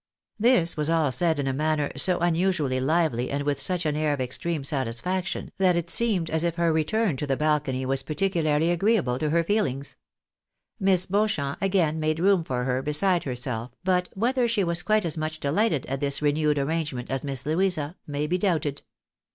This was all said in a manner so unusually hvely and with such an air of extreme satisfaction, that it seemed as if her return to the balcony was particularly agreeable to her feehngs. Miss Beauchamp again made room for her beside herself, but, whether she was quite as much delighted at this renewed arrangement as Miss Louisa, may be doubted.